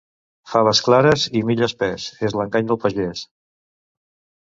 Faves clares i mill espès és l'engany del pagès.